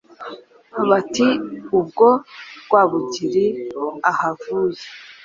Bati "ubwo Rwabugili ahavuye